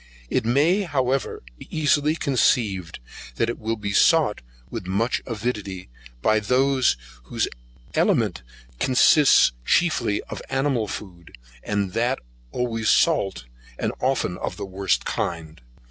It may, however, be easily conceived that it will be sought with more avidity by those whose aliment consists chiefly in animal food, and that always salt, and often of the worst kind.